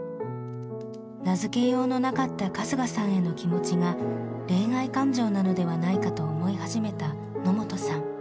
名付けようのなかった春日さんへの気持ちが恋愛感情なのではないかと思い始めた野本さん。